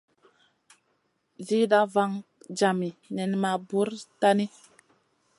Zida vaŋ jami nen ma bura tahni.